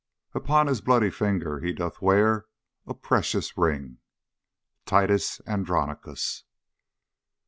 Upon his bloody finger he doth wear A precious ring. TITUS ANDRONICUS.